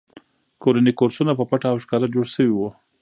کورني کورسونه په پټه او ښکاره جوړ شوي وو